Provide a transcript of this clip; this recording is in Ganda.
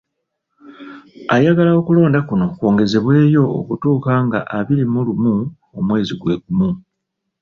Eyagala okulonda kuno kwongezebweyo okutuuka nga abiri mu lumu omwezi gwe gumu.